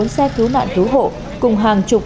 bốn xe cứu nạn cứu hộ cùng hàng chục